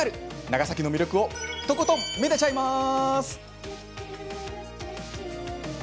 長崎の魅力をとことん、めでちゃいます。